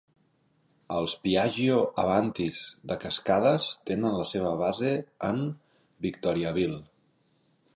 Els Piaggio Avantis de Cascades tenen la seva base en Victoriaville.